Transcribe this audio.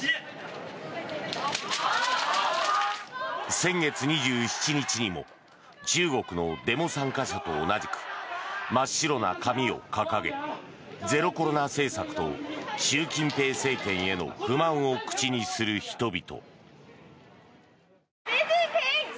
先月２７日にも中国のデモ参加者と同じく真っ白な紙を掲げゼロコロナ政策と習近平政権への不満を口にする人々。